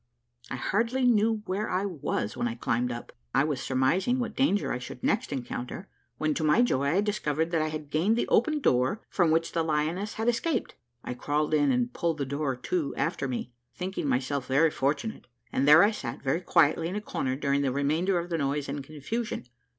I hardly knew where I was when I climbed up. I was surmising what danger I should next encounter, when to my joy I discovered that I had gained the open door from which the lioness had escaped. I crawled in, and pulled the door to after me, thinking myself very fortunate: and there I sat very quietly in a corner during the remainder of the noise and confusion.